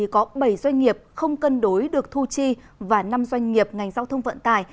có bảy doanh nghiệp không cân đối được thu chi và năm doanh nghiệp ngành giao thông vận tải